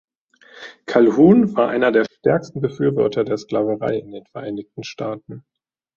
Calhoun war einer der stärksten Befürworter der Sklaverei in den Vereinigten Staaten.